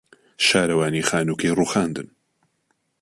شارەوانی خانووەکەی رووخاندن.